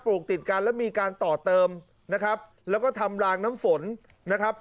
ลูกติดกันแล้วมีการต่อเติมนะครับแล้วก็ทำลางน้ำฝนนะครับ